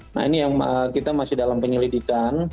nah ini yang kita masih dalam penyelidikan